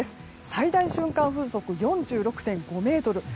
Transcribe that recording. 最大瞬間風速は４６．５メートル。